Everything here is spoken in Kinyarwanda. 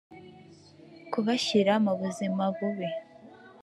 kubashyira mu buzima bubi